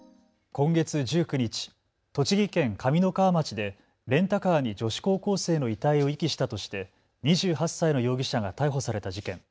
今月１９日、栃木県上三川町でレンタカーに女子高校生の遺体を遺棄したとして２８歳の容疑者が逮捕された事件。